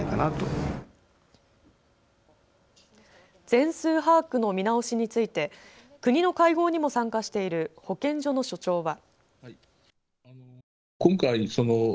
全数把握の見直しについて国の会合にも参加している保健所の所長は。